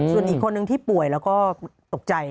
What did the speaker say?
ส่วนอีกคนนึงที่ป่วยแล้วก็ตกใจ